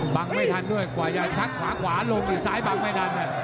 ไม่ทันด้วยกว่าจะชักขวาขวาลงอีกซ้ายบังไม่ทัน